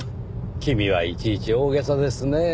君はいちいち大げさですねぇ。